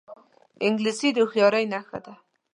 انګلیسي د هوښیارۍ نښه ده